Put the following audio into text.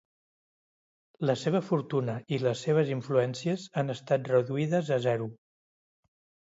La seva fortuna i les seves influències han estat reduïdes a zero.